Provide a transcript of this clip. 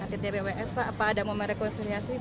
di tpws pak apa ada momen rekonsiliasi